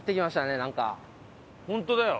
本当だよ。